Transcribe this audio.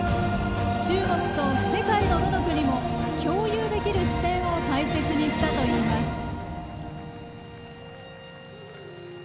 「中国と世界のどの国も共有できる視点を大切にした」といいます。